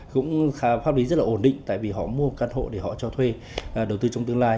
cũng khá lý rất là ổn định tại vì họ mua căn hộ để họ cho thuê đầu tư trong tương lai